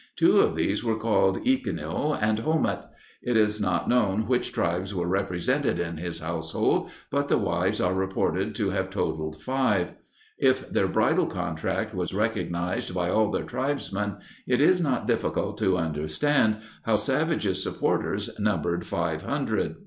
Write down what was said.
Two of these were called Eekino and Homut. It is not known which tribes were represented in his household, but the wives are reported to have totaled five. If their bridal contract was recognized by all their tribesmen, it is not difficult to understand how Savage's supporters numbered five hundred.